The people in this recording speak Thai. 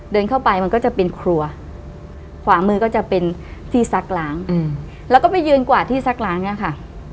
เดินเข้าไปมันก็จะเป็นครัวขวามือก็จะเป็นที่ซักล้างแล้วก็ไปยืนกวาดที่ซักล้างอ่ะค่ะ